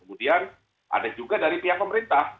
kemudian ada juga dari pihak pemerintah